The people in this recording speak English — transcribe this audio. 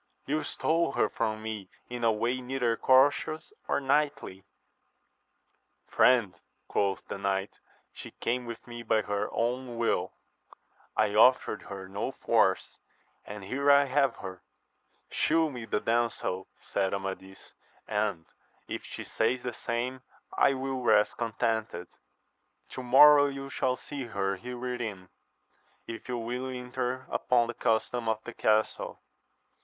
— ^You stole her from me in a way neither courteous nor knightly. Friend ! quoth the knight, she came with me by her own will ; 1 offeTefli Yist no iot^j^^ ^sA V'st'^ ^ \^as^^ AMADIS OF GAUL. 155 her. Shew me the damsel, said Amadis, and, if she says the same, I will rest contented. — To morrow you shall see her, here within, if you will enter upon the custom of the castle.